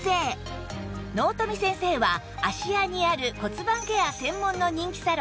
納富先生は芦屋にある骨盤ケア専門の人気サロン